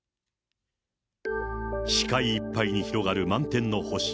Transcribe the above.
視界いっぱいに広がる満天の星。